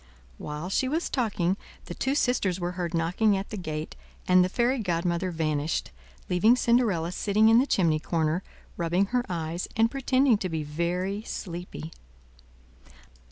While she was talking, the two sisters were heard knocking at the gate, and the fairy godmother vanished, leaving Cinderella sitting in the chimney corner, rubbing her eves and pretending to be very sleepy.